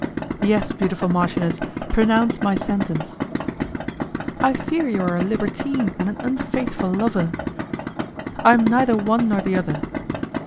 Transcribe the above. "Yes, beautiful marchioness, pronounce my sentence." "I fear you are a libertine and an unfaithful lover." "I am neither one nor the other."